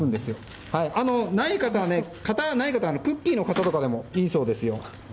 ない型は、クッキーの型とかでもいいそうですよ。